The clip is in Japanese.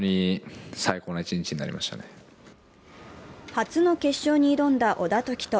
初の決勝に挑んだ小田凱人。